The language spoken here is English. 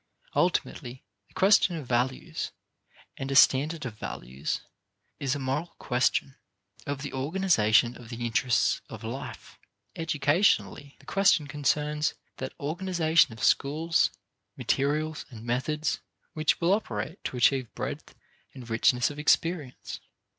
Ultimately, the question of values and a standard of values is the moral question of the organization of the interests of life. Educationally, the question concerns that organization of schools, materials, and methods which will operate to achieve breadth and richness of experience.